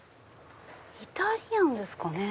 イタリアンですかね。